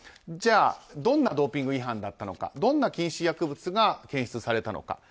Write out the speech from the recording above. じゃあどんなドーピング違反だったのかどんな禁止薬物が検出されたのか。